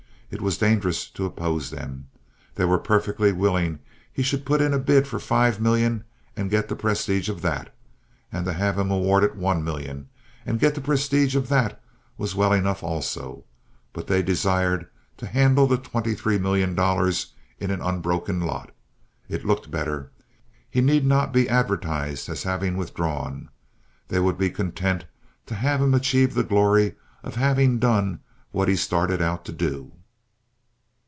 It was dangerous to oppose them. They were perfectly willing he should put in a bid for five million and get the prestige of that; to have him awarded one million and get the prestige of that was well enough also, but they desired to handle the twenty three million dollars in an unbroken lot. It looked better. He need not be advertised as having withdrawn. They would be content to have him achieve the glory of having done what he started out to do.